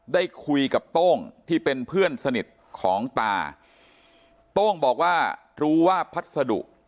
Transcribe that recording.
ได้คุยกับโต้งที่เป็นเพื่อนสนิทของตาโต้งบอกว่ารู้ว่าพัสดุ